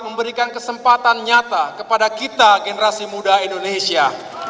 memberikan kesempatan nyata kepada kita generasi muda indonesia